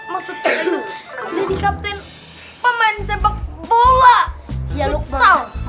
maksudnya tuh jadi captain pemain sepak bola ya lukman